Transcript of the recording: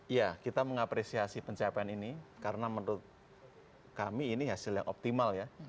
ya kita mengapresiasi pencapaian ini karena menurut kami ini hasil yang optimal ya